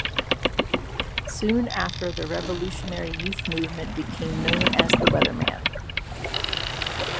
Soon after the Revolutionary Youth Movement became known as the Weatherman.